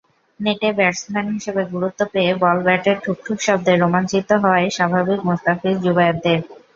নেটে ব্যাটসম্যান হিসেবে গুরুত্ব পেয়ে বল-ব্যাটের ঠুকঠুক শব্দে রোমাঞ্চিত হওয়াই স্বাভাবিক মুস্তাফিজ-জুবায়েরদের।